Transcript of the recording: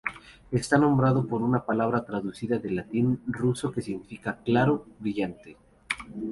Está nombrado por una palabra traducida del latín al ruso que significa "claro", "brillante".